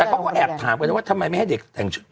แต่เขาก็แอบถามกันว่าทำไมไม่ให้เด็กแต่งชุด